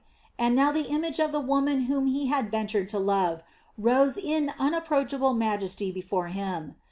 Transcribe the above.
And now the image of the woman whom he had ventured to love, rose in unapproachable majesty before him.